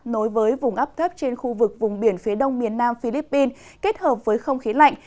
nối với vùng áp thấp trên khu vực vùng biển phía đông miền nam philippines kết hợp với không khí lạnh